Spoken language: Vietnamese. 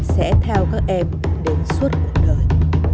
sẽ theo các em đến suốt cuộc đời